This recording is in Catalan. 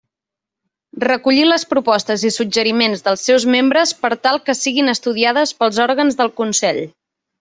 Recollir les propostes i suggeriments dels seus membres per tal que siguin estudiades pels òrgans del Consell.